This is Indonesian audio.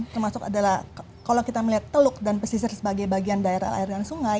termasuk adalah kalau kita melihat teluk dan pesisir sebagai bagian daerah air dan sungai